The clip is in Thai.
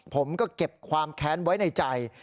ผมก็เก็บความแค้นไว้ในใจ